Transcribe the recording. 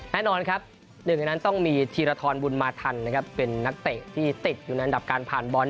แน่นอนครับหนึ่งในนั้นต้องมีธีรทรบุญมาทันนะครับเป็นนักเตะที่ติดอยู่ในอันดับการผ่านบอล